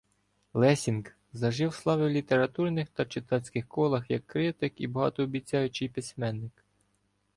Лессінґ зажив слави в літературних та читацьких колах як критик і багатообіцяючий письменник.